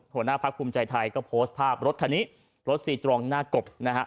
หัวหน้าพักภูมิใจไทยก็โพสต์ภาพรถคันนี้รถซีตรองหน้ากบนะฮะ